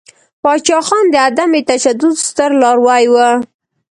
پاچاخان د عدم تشدد ستر لاروی ؤ.